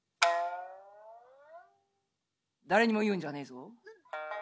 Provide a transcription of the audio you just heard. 「誰にも言うんじゃあねえぞ。